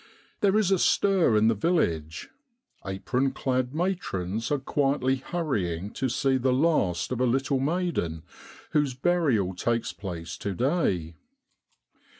There is a stir in the village. Apron clad matrons are quietly hurrying to see the last of a little maiden whose burial takes place to day.